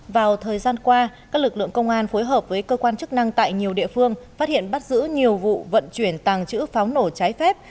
vào thời gian qua các lực lượng công an phối hợp với cơ quan chức năng tại nhiều địa phương phát hiện bắt giữ nhiều vụ vận chuyển tàng trữ pháo nổ trái phép